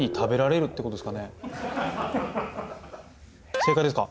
正解ですか？